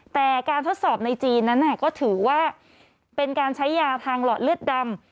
แต่การทดสอบในจีนนั้นก็ถือว่าเป็นการใช้ยาทางหลอดเลือดดำ